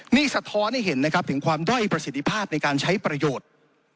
นี่สะท้อนให้เห็นนะครับถึงความด้อยประสิทธิภาพในการใช้ประโยชน์